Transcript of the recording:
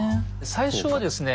最初はですね